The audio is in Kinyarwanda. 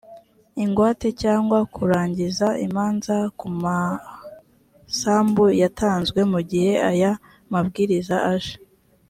ingwate cyangwa kurangiza imanza ku masambu yatanzwe mu gihe aya mabwiriza aje